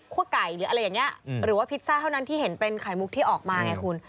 ไก่หรืออะไรอย่างนี้หรือว่าพิซซ่าเท่านั้นที่เห็นเป็นไข่มุกที่ออกมาไงคุณ